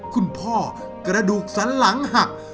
คุณพ่อกระดูกสันหลังหัก